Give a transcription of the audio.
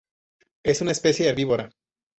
Es una especie herbívora.